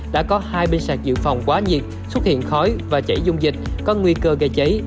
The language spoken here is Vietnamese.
đã có hai biên sạc dự phòng quá nhiệt xuất hiện khói và chảy dung dịch có nguy cơ gây cháy